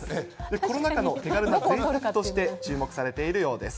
コロナ禍の手軽なぜいたくとして注目されているようです。